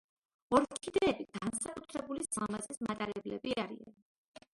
ორქიდეები განსაკუთრებული სილამაზის მატარებლები არიან.